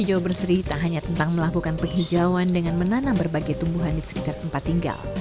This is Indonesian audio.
ijo berseri tak hanya tentang melakukan penghijauan dengan menanam berbagai tumbuhan di sekitar tempat tinggal